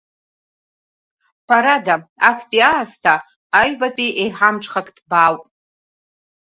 Ҳәарада, актәи аасҭа аҩбатәи еиҳа амҽхак ҭбаауп.